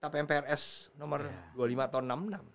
tap mprs nomor dua puluh lima tahun enam puluh enam